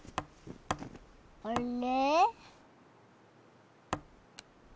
あれ？